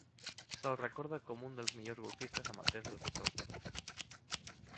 Se'l recorda com un dels millors golfistes amateurs de tots els temps.